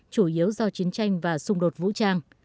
chủ yếu do chiến tranh và xung đột vũ trang